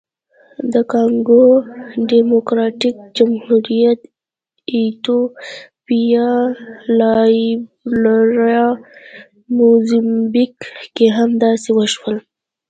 د کانګو ډیموکراتیک جمهوریت، ایتوپیا، لایبیریا، موزمبیق کې هم داسې وشول.